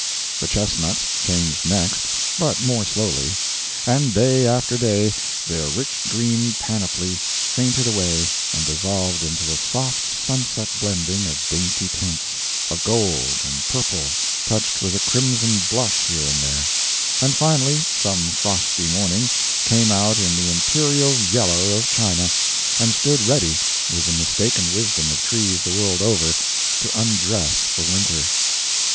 The chestnuts changed next, but more slowly, and day after day their rich green panoply fainted away and dissolved into a soft sunset blending of dainty tints—of gold and purple, touched with a crimson blush here and there—and finally, some frosty morning, came out in the imperial yellow of China, and stood ready, with the mistaken wisdom of trees the world over, to undress for winter.